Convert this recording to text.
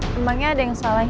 kembali ke rumah